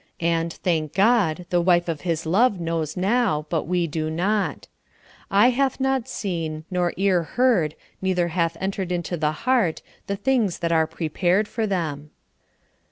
And, thank God, the wife of his love knows now, but we do not. "Eye hath not seen, nor ear heard, neither hath entered into the heart, the things that are prepared" for them.